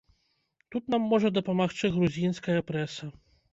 Тут нам можа дапамагчы грузінская прэса.